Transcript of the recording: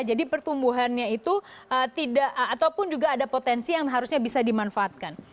jadi pertumbuhannya itu tidak ataupun juga ada potensi yang harusnya bisa dimanfaatkan